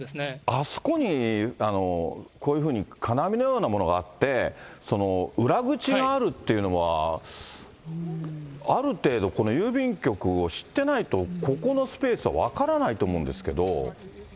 あそこにこういうふうに金網のようなものがあって、裏口があるというのは、ある程度、この郵便局を知ってないと、ここのスペースは分からないと思うんですけど。